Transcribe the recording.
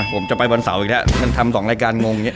ผมจะไปวันสาวอีกได้งั้นทำสองรายการมึง